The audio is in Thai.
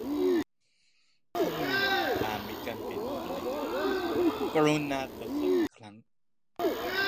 ข้อมูลอาจมีการเปลี่ยนแปลงกรุณาตรวจสอบอีกครั้ง